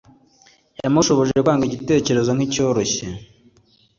yamushoboje kwanga igitekerezo nkicyoroshye.